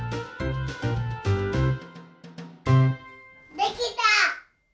できた！